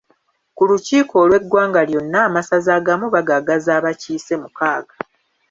Ku lukiiko olw'eggwanga lyonna amasaza agamu bagagaza abakiise mukaaga.